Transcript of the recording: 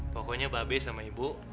pokoknya babe sama ibu